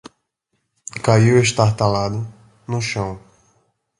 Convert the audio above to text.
Caiu estártalado no chão